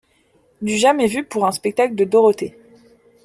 Du jamais vu pour un spectacle de Dorothée.